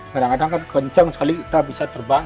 kadang kadang kan kencang sekali kita bisa terbang